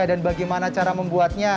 dan bagaimana cara membuatnya